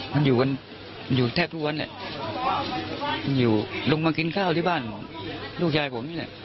มันอยู่กันอยู่แทบทุกวันอยู่ลงมากินข้าวที่บ้านลูกยายผมเนี่ย